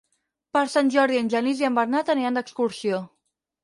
Per Sant Jordi en Genís i en Bernat aniran d'excursió.